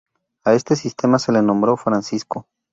A este sistema se le nombró: Francisco.